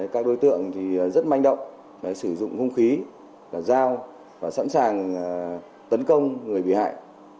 các đối tượng rất manh động sử dụng hung khí dao và sẵn sàng tấn công người bị hại